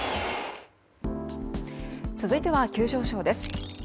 続いては急上昇です。